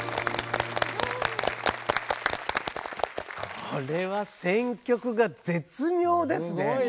これは選曲が絶妙ですね。